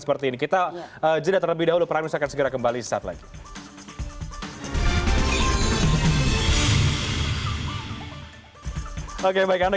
seperti ini kita jeda terlebih dahulu prime news akan segera kembali saat lagi oke baik anda